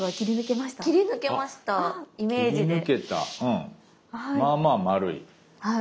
まあまあ丸い。